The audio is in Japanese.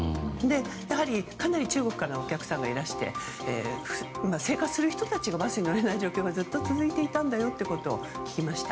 やはり、かなり中国からのお客さんがいらして生活する人たちがバスに乗れない状況がずっと続いていたんだよということを聞きました。